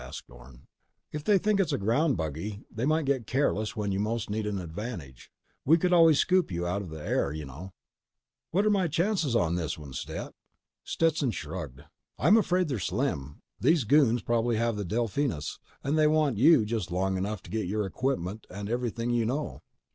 asked Orne. "If they think it's a ground buggy, they might get careless when you most need an advantage. We could always scoop you out of the air, you know." "What're my chances on this one, Stet?" Stetson shrugged. "I'm afraid they're slim. These goons probably have the Delphinus, and they want you just long enough to get your equipment and everything you know."